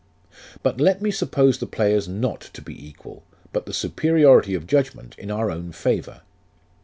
But let me suppose the players not to be equal, but the superiority of judgment in our own favour.